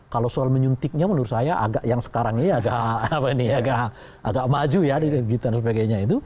kalau soal menyuntiknya menurut saya agak yang sekarang ini agak maju ya